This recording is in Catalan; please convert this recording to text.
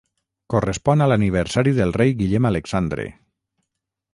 Correspon a l'aniversari del rei Guillem Alexandre.